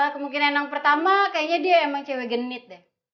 kemungkinan yang pertama kayaknya dia emang cewek genit deh